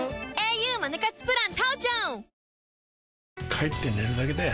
帰って寝るだけだよ